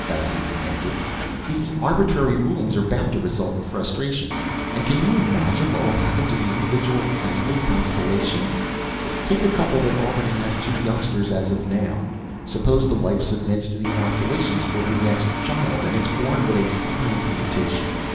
Bassett demanded. "These arbitrary rulings are bound to result in frustrations. And can you imagine what will happen to the individual family constellations? Take a couple that already has two youngsters, as of now. Suppose the wife submits to the inoculations for her next child and it's born with a size mutation.